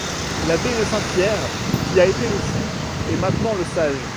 L'abbé de Saint-Pierre, qui a été le fou, est maintenant le sage.